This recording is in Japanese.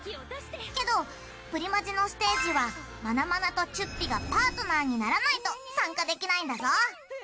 けどプリマジのステージはマナマナとチュッピがパートナーにならないと参加できないんだぞ。